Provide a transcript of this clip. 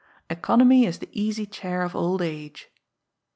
[ECONOMY IS THE EASY CHAIR OF OLD AGE.